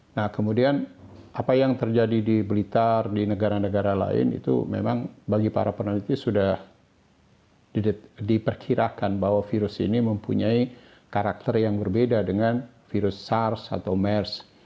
nah kemudian apa yang terjadi di blitar di negara negara lain itu memang bagi para peneliti sudah diperkirakan bahwa virus ini mempunyai karakter yang berbeda dengan virus sars atau mers